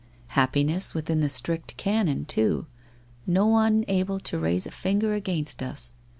Happi ness within the strict canon too — no one able to raise a finger against us!